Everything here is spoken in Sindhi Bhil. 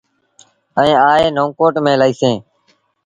ائيٚݩ آئي نئون ڪوٽ ميݩ لهيٚسي۔